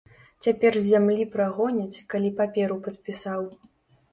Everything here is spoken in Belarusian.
Цяпер з зямлі прагоняць, калі паперу падпісаў.